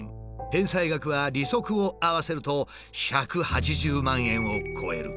返済額は利息を合わせると１８０万円を超える。